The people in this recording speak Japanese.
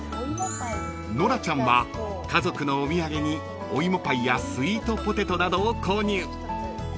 ［ノラちゃんは家族のお土産においもパイやスイートポテトなどを購入］